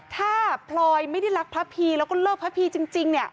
ถ้าพลอยไม่ได้รักพระพีแล้วก็เลิกพระพีจริงเนี่ย